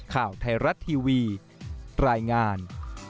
ข่าวไทยรัฐทีวีรายงาน